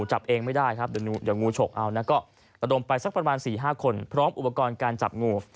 จับเองไม่ได้ครับเดี๋ยวงูฉกเอานะก็ระดมไปสักประมาณ๔๕คนพร้อมอุปกรณ์การจับงู